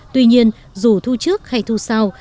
tuy nhiên dù thu trước hay thu sau